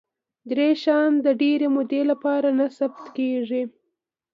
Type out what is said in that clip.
دری شیان د ډېرې مودې لپاره نه پټ کېږي.